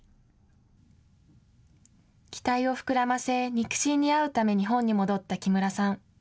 期待を膨らませ肉親に会うため日本に戻った木村さん。